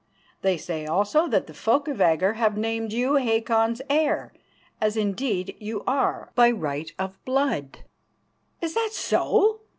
They say also that the folk of Agger have named you Hakon's heir, as, indeed, you are by right of blood." "Is that so?"